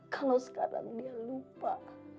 kalau sekarang dia lupa